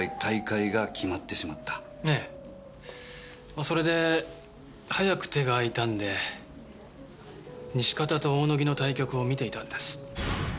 まあそれで早く手が空いたんで西片と大野木の対局を見ていたんです。